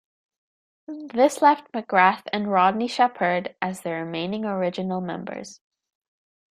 This left McGrath and Rodney Sheppard as the remaining original members.